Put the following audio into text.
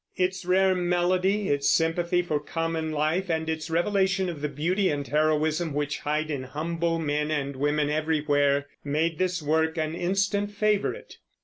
Its rare melody, its sympathy for common life, and its revelation of the beauty and heroism which hide in humble men and women everywhere, made this work an instant favorite.